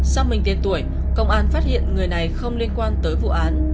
sau mình tiền tuổi công an phát hiện người này không liên quan tới vụ án